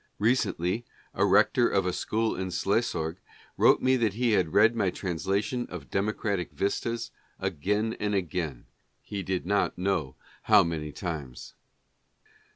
Recently, a rector of a school in Slesorg wrote me that he had read my translation of •'Democratic Vistas" again and again, he did not know how many times.